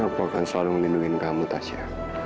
aku akan selalu melindungi kamu tasya